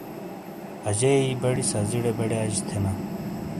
اجیئی بڑی سازیڑے بڑیئاجے تھینا۔